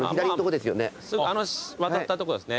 あの渡ったとこですね。